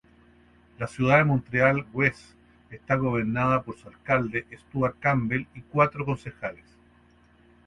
La ciudad de Montreal-Ouest está gobernada por su alcalde, Stuart Campbell y cuatro concejales.